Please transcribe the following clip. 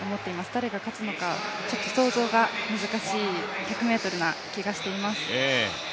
誰が勝つのか、想像が難しい１００ｍな気がしています。